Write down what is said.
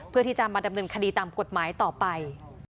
เพื่อที่จะมาดำเนินคดีตามกฎหมายต่อไป